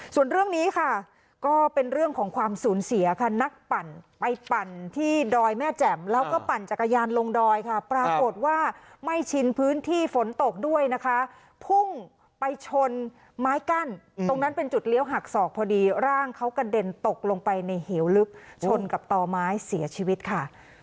ส่วนเรื่องนี้ค่ะก็เป็นเรื่องของความสูญเสียค่ะนักปั่นไปปั่นที่ดอยแม่แจ่มแล้วก็ปั่นจักรยานลงดอยค่ะปรากฏว่าไม่ชินพื้นที่ฝนตกด้วยนะคะพุ่งไปชนไม้กั้นตรงนั้นเป็นจุดเลี้ยวหักศอกพอดีร่างเขากระเด็นตกลงไปในเหวลึกชนกับต่อไม้เสียชีวิตค่ะ